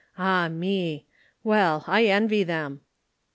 Ah me! well, I envy them!"